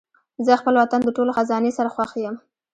زه خپل وطن د ټولو خزانې سره خوښ یم.